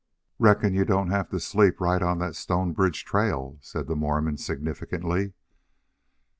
"Reckon you don't have to sleep right on that Stonebridge trail," said the Mormon, significantly.